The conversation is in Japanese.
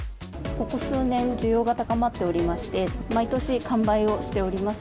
ここ数年、需要が高まっておりまして、毎年、完売をしております。